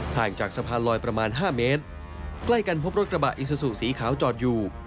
ห่างจากสะพานลอยประมาณห้าเมตรใกล้กันพบรถกระบะอิซูซูสีขาวจอดอยู่